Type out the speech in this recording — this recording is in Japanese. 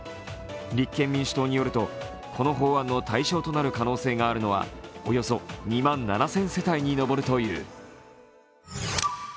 立憲民主党によるとこの法案の対象となる可能性があるのはおよそ２万７０００世帯に上るという。